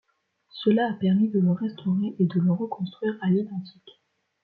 Cela a permis de le restaurer et de le reconstruire à l'identique.